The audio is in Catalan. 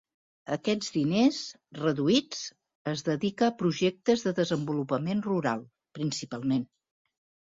Aquests diners reduïts es dedica a projectes de desenvolupament rural, principalment.